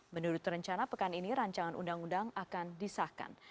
menurut rencana pekan ini rancangan undang undang akan disahkan